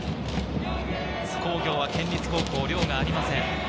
津工業は県立高校、寮がありません。